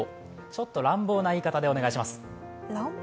ちょっと乱暴な言い方でお願いします。